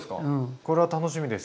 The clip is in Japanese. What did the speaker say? これは楽しみです。